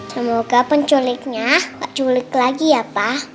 semoga penculiknya gak culik lagi ya pa